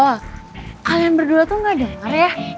kalian berdua tuh gak denger ya